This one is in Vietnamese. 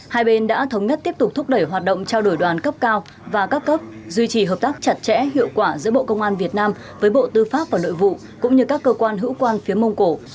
hai bên đã thống nhất tiếp tục thúc đẩy hoạt động trao đổi đoàn cấp cao và các cấp duy trì hợp tác chặt chẽ hiệu quả giữa bộ công an việt nam với bộ tư pháp và nội vụ cũng như các cơ quan hữu quan phía mông cổ